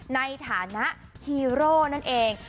ในฐานะฮีโร่นั่นเอง